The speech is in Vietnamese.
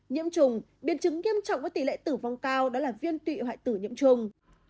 nhiễm trùng biến chứng nghiêm trọng với tỷ lệ tử vong cao đó là viên tụy hoại tử nhiễm trùng